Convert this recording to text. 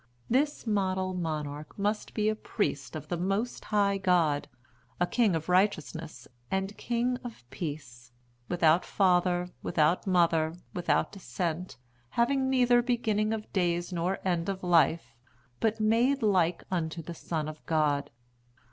This model monarch must be a priest of the most high God—a king of righteousness and king of peace; without father, without mother, without descent, having neither beginning of days nor end of life; but made like unto the Son of God.